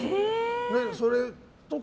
それとか。